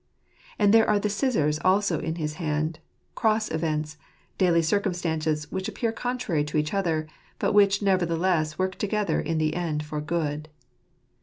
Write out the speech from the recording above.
And there are the scissors also in his hand — cross events, daily circumstances which appear contrary to each other, but which nevertheless work together in the end for good.